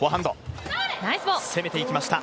攻めていきました。